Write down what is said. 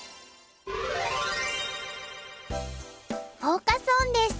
フォーカス・オンです。